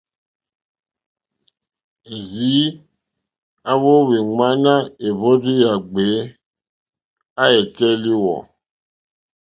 Rzii a wowi ŋmana èhvrozi ya gbèe, a e kɛ liwɔ̀,.